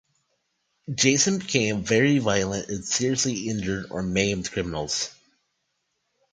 Jason became very violent and seriously injured or maimed criminals.